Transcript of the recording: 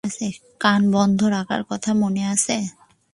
কান বন্ধ রাখার কথা মনে আছে?